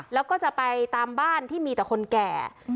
แล้วก็จะไปตามบ้านที่มีแต่คนแก่